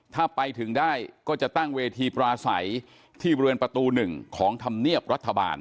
ถ้าไปถึงได้ก็จะตั้งเวทีปราศัยที่เรือนประตูหนึ่งของทำเนียบรัฐบาล